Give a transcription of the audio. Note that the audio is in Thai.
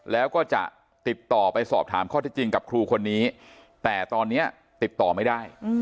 แล้วก็จะติดต่อไปสอบถามข้อที่จริงกับครูคนนี้แต่ตอนนี้ติดต่อไม่ได้